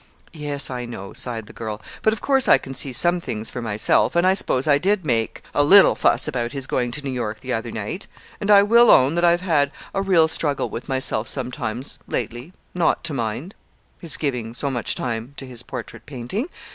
"Yes, I know," sighed the girl; "but of course I can see some things for myself, and I suppose I did make a little fuss about his going to New York the other night. And I will own that I've had a real struggle with myself sometimes, lately, not to mind his giving so much time to his portrait painting.